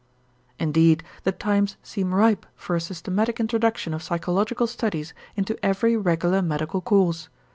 Indeed the times seem ripe for a systematic introduction of psychological studies into every regular medical course.